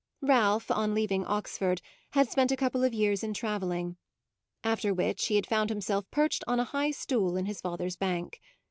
Ralph, on leaving Oxford, had spent a couple of years in travelling; after which he had found himself perched on a high stool in his father's bank.